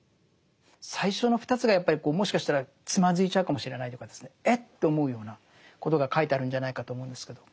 最初の２つがやっぱりもしかしたらつまずいちゃうかもしれないというかえっ？と思うようなことが書いてあるんじゃないかと思うんですけど。